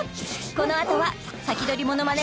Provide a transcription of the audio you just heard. このあとはサキドリものまね